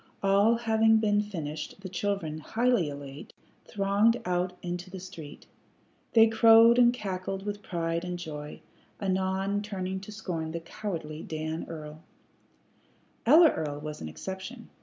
All having been finished, the children, highly elate, thronged out into the street. They crowed and cackled with pride and joy, anon turning to scorn the cowardly Dan Earl. Ella Earl was an exception.